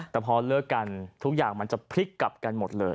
แต่พอเลิกกันทุกอย่างมันจะพลิกกลับกันหมดเลย